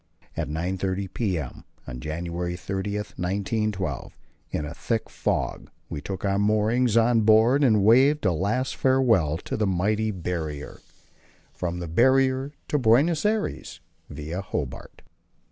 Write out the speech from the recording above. At 9.30 p.m. on January 30, 1912, in a thick fog, we took our moorings on board and waved a last farewell to the mighty Barrier. From the Barrier to Buenos Aires, Via Hobart.